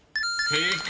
［正解！